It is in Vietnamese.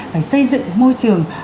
phải xây dựng môi trường